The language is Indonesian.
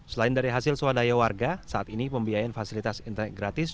selain dari hasil swadaya warga saat ini pembiayaan fasilitas internet gratis